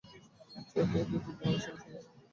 চরিত্রে এই দুইটি গুণ আছে, এমন সমালোচক খুব দুর্লভ।